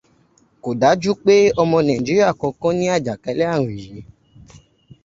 Kò dájú pé ọmọ Nàìjíríà kankan ni àjàkálẹ̀ ààrùn yìí.